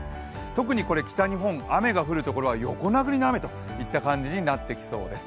特に北日本、雨が降る所は横殴りの雨といった感じになってきそうです。